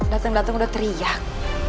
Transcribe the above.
dateng dateng udah teriak